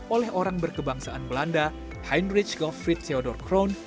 oleh orang berkebangsaan belanda heinrich goffrit theodor kroon